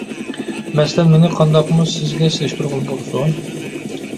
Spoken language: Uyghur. مەسىلەن: مېنى قانداقمۇ سىزگە سېلىشتۇرغىلى بولسۇن!